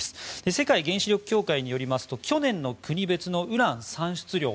世界原子力協会によりますと去年の国別のウラン産出量